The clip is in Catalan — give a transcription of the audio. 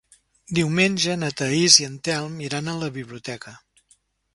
Diumenge na Thaís i en Telm iran a la biblioteca.